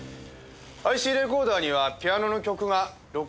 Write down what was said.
ＩＣレコーダーにはピアノの曲が録音されているだけでした。